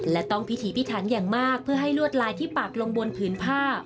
และต้องพิถีพิถันอย่างมากเพื่อให้ลวดลายที่ปากลงบนผืนผ้า